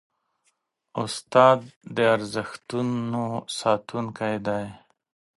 استاد د ارزښتونو ساتونکی دی.